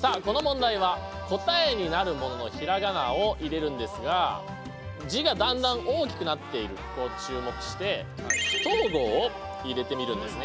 さあこの問題は答えになるものの平仮名を入れるんですが字がだんだん大きくなっているとこを注目して不等号を入れてみるんですね。